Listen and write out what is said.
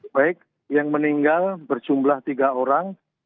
baik yang meninggal berjumlah tiga orang